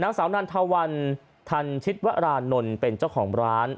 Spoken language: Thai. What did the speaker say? นางสาวนันทวันทันชิตวรานนท์เป็นเจ้าของร้าน